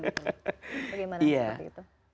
bagaimana seperti itu